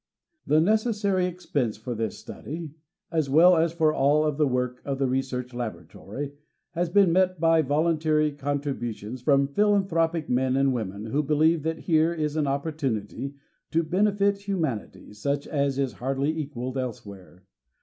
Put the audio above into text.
The necessary expense for this study, as well as for all of the work of the Research Laboratory, has been met by voluntary contributions from philanthropic men and women, who believe that here is an opportunity to benefit humanity, such as is hardly equaled elsewhere.